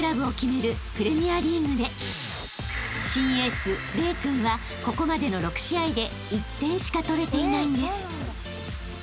プレミアリーグで新エース玲君はここまでの６試合で１点しか取れていないんです］